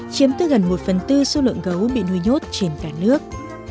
chiếm tới gần một phần tư số lượng gấu bị nuôi nhốt trên cả nước